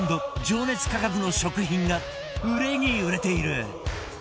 情熱価格の食品が売れに売れている